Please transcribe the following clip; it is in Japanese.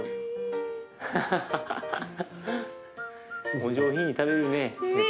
お上品に食べるねゆで卵。